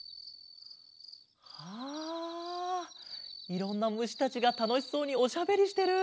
あいろんなむしたちがたのしそうにおしゃべりしてる！